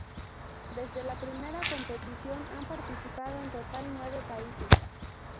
Desde la primera competición, han participado en total nueve países.